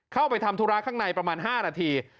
เข้าไปทำธุระข้างในประมาณ๕นาที